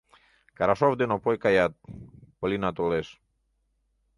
Карашов ден Опой каят, Полина толеш.